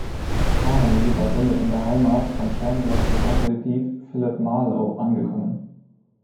Connelly war somit in der Heimat von Chandlers Privatdetektiv Philip Marlowe angekommen.